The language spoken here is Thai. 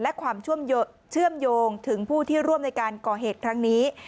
และความเชื่อมโยงถึงผู้ที่ร่วมในการก่อเหตุครั้งนี้